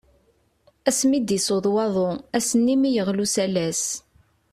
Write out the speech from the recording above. Asmi i d-yessuḍ waḍu, ass-nni mi yeɣli usalas.